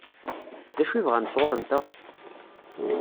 D acu i bɣan sɣur-nteɣ?